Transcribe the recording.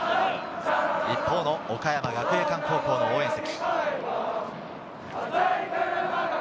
一方の岡山学芸館高校の応援席。